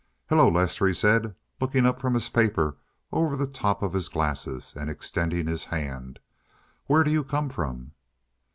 "Hello, Lester," he said, looking up from his paper over the top of his glasses and extending his hand. "Where do you come from?"